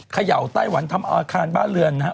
เขย่าไต้หวันทำอาคารบ้านเรือนนะฮะ